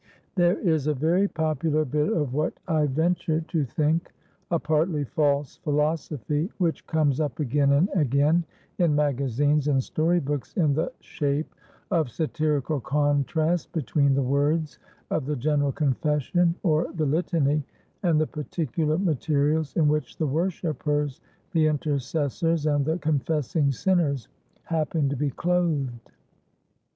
There is a very popular bit of what I venture to think a partly false philosophy which comes up again and again in magazines and story books in the shape of satirical contrasts between the words of the General Confession, or the Litany, and the particular materials in which the worshippers, the intercessors, and the confessing sinners happen to be clothed.